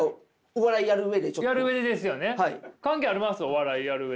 お笑いやる上で。